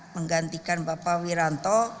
menggantikan bapak wiranto